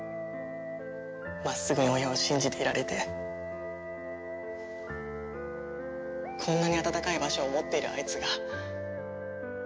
真っすぐに親を信じていられてこんなにあたたかい場所を持っているあいつが。